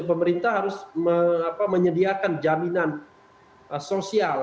pemerintah harus menyediakan jaminan sosial